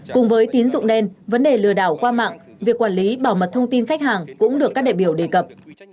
cùng với tín dụng đen vấn đề lừa đảo qua mạng việc quản lý bảo mật thông tin khách hàng cũng được các đại biểu đề cập